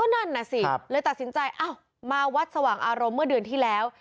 นั่นน่ะสิเลยตัดสินใจเอ้ามาวัดสว่างอารมณ์เมื่อเดือนที่แล้ว